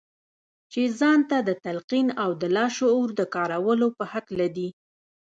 چې ځان ته د تلقين او د لاشعور د کارولو په هکله دي.